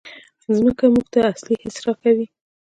مځکه موږ ته اصلي حس راکوي.